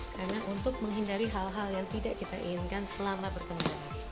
karena untuk menghindari hal hal yang tidak kita inginkan selama berkendara